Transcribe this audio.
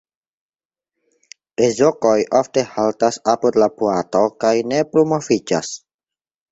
Ezokoj ofte haltas apud la boato kaj ne plu moviĝas.